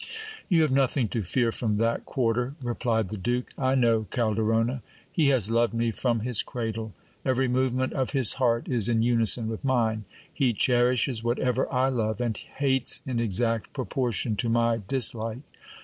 You have nothing to fear from that quarter, replied the duke. I know Calderona. He has loved me from his cradle. Every movement of his heart is in unison with mine. He cherishes whatever I love, and hates in exact pro portion to my dislike.